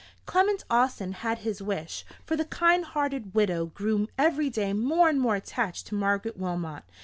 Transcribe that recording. Clement Austin had his wish; for the kind hearted widow grew every day more and more attached to Margaret Wilmot.